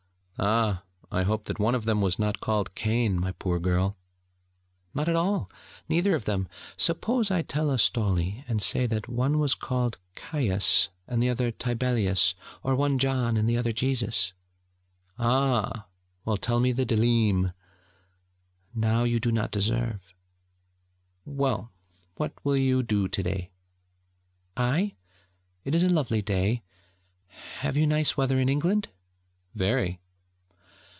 'Ah, I hope that one of them was not called Cain, my poor girl.' 'Not at all! neither of them! Suppose I tell a stoly, and say that one was called Caius and the other Tibelius, or one John and the other Jesus?' 'Ah. Well, tell me the dleam....' 'Now you do not deserve.' 'Well, what will you do to day?' 'I? It is a lovely day ... have you nice weather in England?' 'Very.'